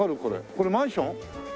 これマンション？